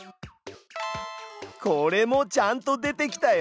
これもちゃんと出てきたよ。